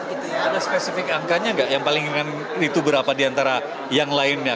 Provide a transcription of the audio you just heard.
ada spesifik angkanya nggak yang paling ringan itu berapa diantara yang lainnya